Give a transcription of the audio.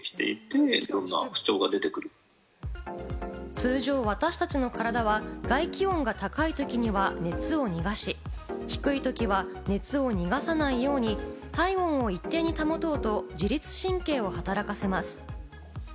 通常、私たちの体は外気温が高い時には熱を逃がし、低いときは熱を逃がさないように体温を一定に保とうと自律神経を働かせます。